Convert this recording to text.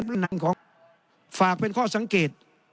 ผมขอฝากเป็นข้อสังเกต